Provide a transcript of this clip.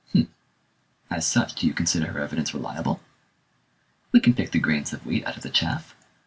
"H'm! As such, do you consider her evidence reliable?" "We can pick the grains of wheat out of the chaff.